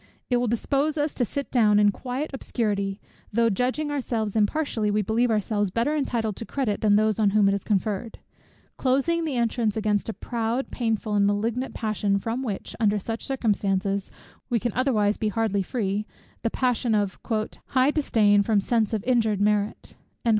It will dispose us to sit down in quiet obscurity, though, judging ourselves impartially, we believe ourselves better entitled to credit, than those on whom it is conferred; closing the entrance against a proud, painful, and malignant passion, from which, under such circumstances, we can otherwise be hardly free, the passion of "high disdain from sense of injured merit."